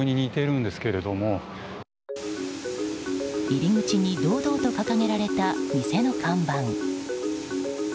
入り口に堂々と掲げられた店の看板。